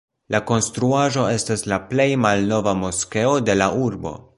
La konstruaĵo estas la plej malnova moskeo de la urbo.